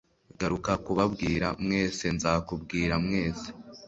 Garuka kubabwira mwese, nzakubwira mwese "-